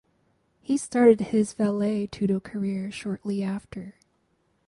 He started his vale tudo career shortly after.